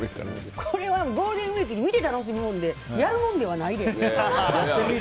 これは、ゴールデンウィークに見て楽しむもんでやるものではないで。